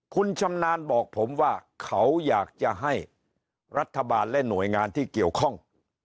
คุณชำนาญบอกผมว่าเขาอยากจะให้รัฐบาลและหน่วยงานที่เกี่ยวข้อง